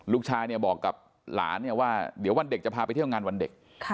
ลูกชายเนี่ยบอกกับหลานเนี่ยว่าเดี๋ยววันเด็กจะพาไปเที่ยวงานวันเด็ก